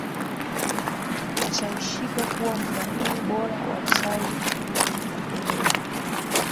nashawishika kuwa mudhamini bora wa usawi endelevu